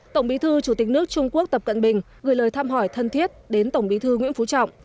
tổng bí thư chủ tịch nước trung quốc tập cận bình gửi lời thăm hỏi thân thiết đến tổng bí thư nguyễn phú trọng